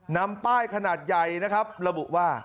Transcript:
นำป้ายขนาดใหญ่นะครับระบุว่า